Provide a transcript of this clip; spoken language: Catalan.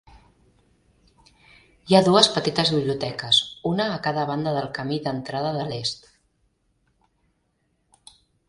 Hi ha dues petites biblioteques, una a cada banda del camí d'entrada de l'est.